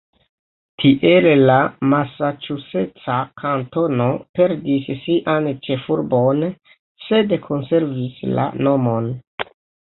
Tiel la masaĉuseca kantono perdis sian ĉefurbon, sed konservis la nomon.